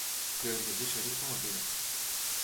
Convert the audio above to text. Kleurje dizze rigel read.